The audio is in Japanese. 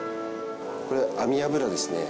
これ網脂ですね。